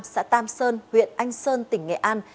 xã tam sơn huyện anh sơn tỉnh nghệ an